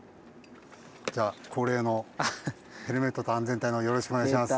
じゃあ恒例のヘルメットと安全帯をよろしくお願いします。